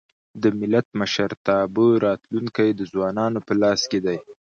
د ملت د مشرتابه راتلونکی د ځوانانو په لاس کي دی.